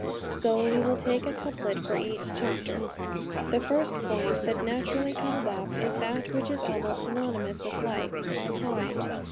So we will take a couplet for each chapter. The first point that naturally comes up is that which is almost synonymous with life our time.